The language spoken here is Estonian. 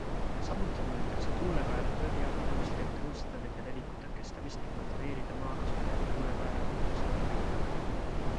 Samuti muudetakse tuulekaera tõrjeabinõusid, et tõhustada nende leviku tõkestamist ning motiveerida maakasutajat tuulekaeraga tõhusamalt võitlema..